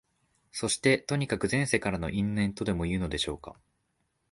そして、とにかく前世からの因縁とでもいうのでしょうか、